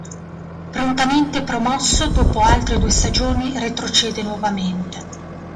Prontamente promosso dopo altre due stagioni retrocede nuovamente.